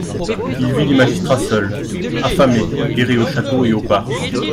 Il vit les magistrats seuls, affamés, errer au château et au parc.